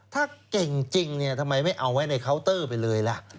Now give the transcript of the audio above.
ถ้าเก่งจริงเนี่ยทำไมไม่เอาไว้ในเคาน์เตอร์ไปเลยล่ะ